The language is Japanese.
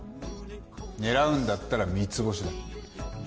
「狙うんだったら三つ星だ」